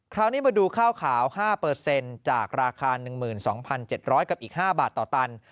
คราวนี้มาดูข้าวขาว๕จากราคา๑๒๗๐๐กับอีก๕บาทต่อตัน